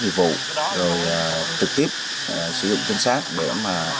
rồi sử dụng gia súc để kéo gỗ